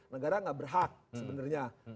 negara enggak berhak sebenarnya